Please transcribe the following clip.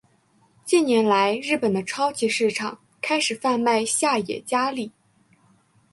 近年来日本的超级市场开始贩卖下野家例。